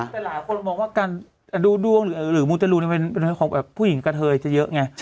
แต่หลายคนมองว่าการดูดวงหรือมูจรูนเป็นของแบบผู้หญิงกระเทยจะเยอะไง